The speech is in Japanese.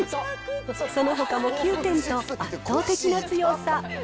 そのほかも９点と、圧倒的な強さ。